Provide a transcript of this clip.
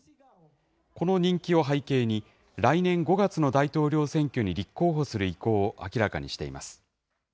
この人気を背景に、来年５月の大統領選挙に立候補する意向を明らかにしています。